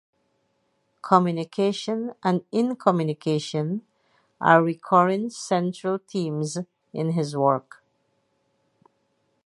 "Communication" and "in-communication" are recurring central themes in his work.